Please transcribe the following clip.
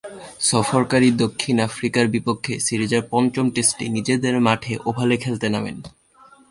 সফরকারী দক্ষিণ আফ্রিকার বিপক্ষে সিরিজের পঞ্চম টেস্টে নিজ মাঠ ওভালে খেলতে নামেন।